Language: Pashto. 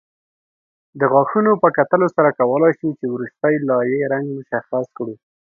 د غاښونو په کتلو سره کولای شو چې وروستۍ لایې رنګ مشخص کړو